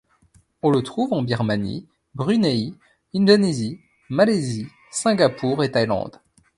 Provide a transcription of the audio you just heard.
On le trouve en Birmanie, Brunei, Indonésie, Malaisie, Singapour et Thaïlande.